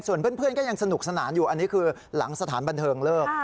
ส่วนเพื่อนก็ยังสนุกสนานอยู่อันนี้คือหลังสถานบันเทิงเลิก